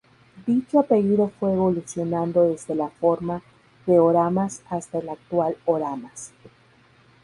Dicho apellido fue evolucionando desde la forma de Oramas hasta el actual Oramas.